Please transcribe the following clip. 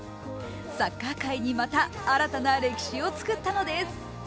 サッカー界にまた、新たな歴史を作ったのです。